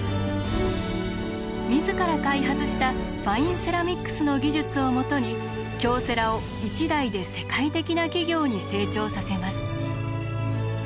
自ら開発したファインセラミックスの技術を基に京セラを一代で世界的な企業に成長させます。